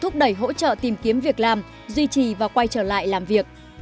làm việc làm duy trì và quay trở lại làm việc